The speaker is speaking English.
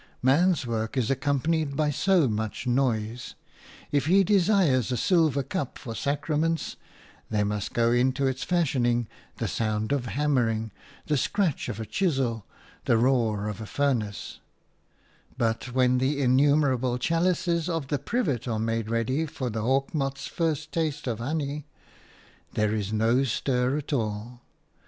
Man's work is accompanied by so much noise; if he desires a silver cup for sacraments, there must go to its fashioning the sound of hammering, the scratch of a chisel, the roar of a furnace; but when the innumerable chalices of the privet are made ready for the hawk moth's first taste of honey, there is no stir at all.